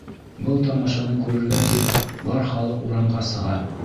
Был тамашаны күрергә тип, бар халыҡ урамға сыға.